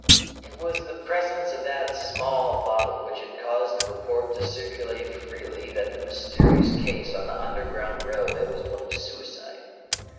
"It was the presence of that small bottle which had caused the report to circulate freely that the mysterious case on the Underground Railway was one of suicide.